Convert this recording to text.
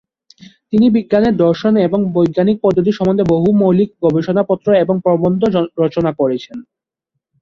তিনি বিজ্ঞানের দর্শন এবং বৈজ্ঞানিক পদ্ধতি সম্বন্ধে বহু মৌলিক গবেষণাপত্র এবং প্রবন্ধ রচনা করেছেন।